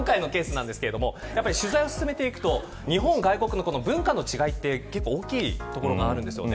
今回のケースなんですが取材を進めていくと日本と外国の文化の違いで結構大きいところがあります。